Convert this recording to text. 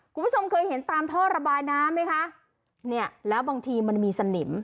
คุณผู้ชมเคยเห็นตามท่อระบายน้ำไหมคะเนี่ยแล้วบางทีมันมีสนิม